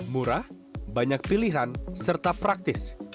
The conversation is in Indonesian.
murah banyak pilihan serta praktis